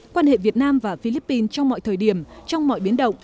quan hệ việt nam và philippines trong mọi thời điểm trong mọi biến động